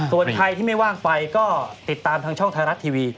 ส่วนใครที่ไม่ว่างไฟก็ติดตามทางช่องไทยรัฐทีวี